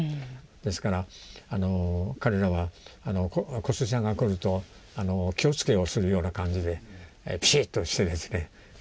ですから彼らは小杉さんが来ると気をつけをするような感じでピシッとしてですね。